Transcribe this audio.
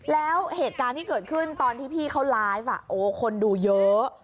แล้วเหตุการณ์ที่เกิดขึ้นตอนที่พี่เขาไลฟ์คนดูเยอะ